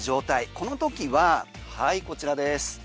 この時はこちらです。